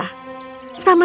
sama seperti ayahmu